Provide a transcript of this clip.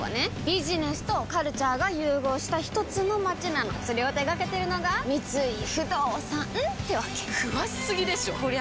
ビジネスとカルチャーが融合したひとつの街なのそれを手掛けてるのが三井不動産ってわけ詳しすぎでしょこりゃ